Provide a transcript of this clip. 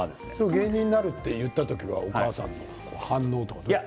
芸人になると言った時のお母さんの反応は？